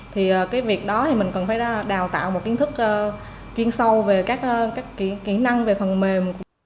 thì cái việc đó thì mình cần phải đào tạo một kiến thức chuyên sâu về các kỹ năng về phần mềm